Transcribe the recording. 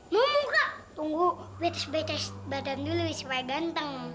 mau muka tunggu betes betes badan dulu supaya ganteng